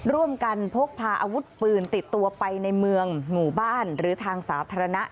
ร่วมกันพกพาอาวุธปืนติดตัวไปในเมืองหมู่บ้านหรือทางสาธารณะ